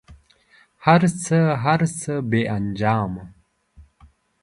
هر څه، هر څه بې انجامه